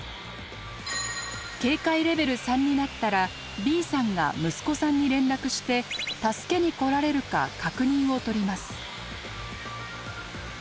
警戒レベル３になったらＢさんが息子さんに連絡して助けに来られるか確認を取ります。